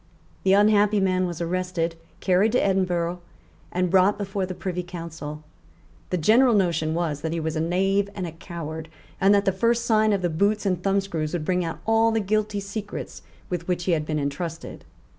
The unhappy man was arrested, carried to Edinburgh, and brought before the Privy Council. The general notion was that he was a knave and a coward, and that the first sight of the boots and thumbscrews would bring out all the guilty secrets with which he had been entrusted.